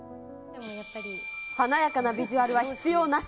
華やかなビジュアルは必要なし。